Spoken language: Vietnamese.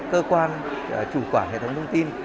cơ quan chủ quản hệ thống thông tin